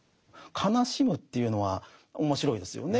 悲しむというのは面白いですよね。